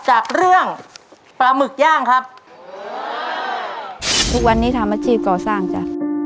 จากเรื่องปลาหมึกย่างครับทุกวันนี้ทำอาชีพก่อสร้างจ้ะ